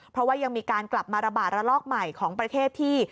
เพราะว่ายังมีการกลับมาระบาดระลอกใหม่ของประเทศที่